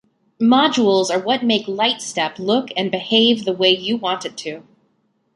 Modules are what make LiteStep look and behave the way you want it to.